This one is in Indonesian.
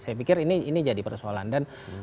saya pikir ini jadi persoalan dan